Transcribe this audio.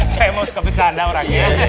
saya mau suka bercanda orangnya